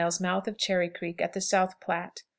Mouth of Cherry Creek, at the South Platte.